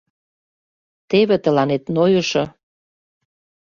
— Теве тыланет нойышо!